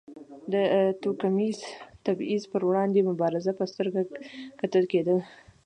د توکمیز تبیض پر وړاندې مبارز په سترګه کتل کېدل.